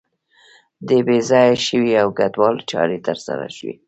د بې ځایه شویو او کډوالو چارې تر سره شي.